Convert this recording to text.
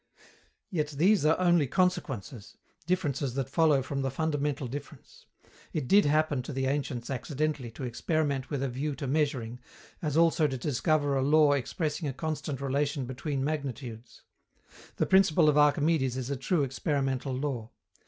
Yet these are only consequences differences that follow from the fundamental difference. It did happen to the ancients accidentally to experiment with a view to measuring, as also to discover a law expressing a constant relation between magnitudes. The principle of Archimedes is a true experimental law.